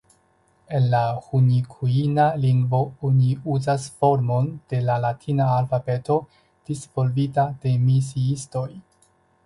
En la hunikuina lingvo oni uzas formon de la latina alfabeto disvolvita de misiistoj.